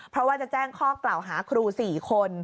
เพราะว่าจะแจ้งข้อกล่าวหาครู๔คน